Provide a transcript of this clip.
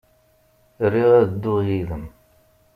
Riɣ ad dduɣ yid-m.